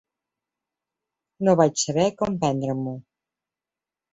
No vaig saber com prendre-m'ho.